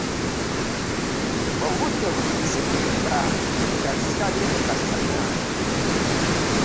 Obudde butuuse kuziba nga ssirabye ku kasana.